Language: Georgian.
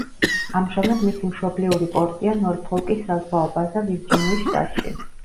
ამჟამად მისი მშობლიური პორტია ნორფოლკის საზღვაო ბაზა ვირჯინიის შტატში.